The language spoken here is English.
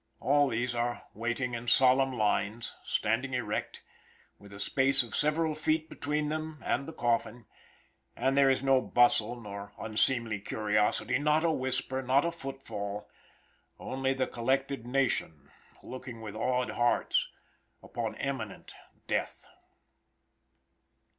All these are waiting in solemn lines, standing erect, with a space of several feet between them and the coffin, and there is no bustle nor unseemly curiosity, not a whisper, not a footfall only the collected nation looking with awed hearts upon eminent death.